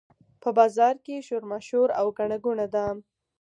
په بازار کې شورماشور او ګڼه ګوڼه ده.